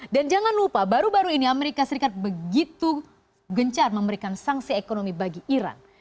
dan jangan lupa baru baru ini amerika serikat begitu gencar memberikan sanksi ekonomi bagi iran